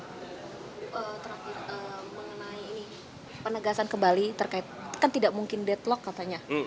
terakhir mengenai ini penegasan kembali terkait kan tidak mungkin deadlock katanya